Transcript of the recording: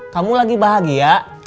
kamu lagi bahagia